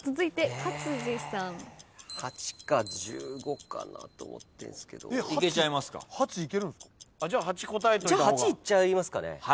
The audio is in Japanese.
８いっちゃいますかね。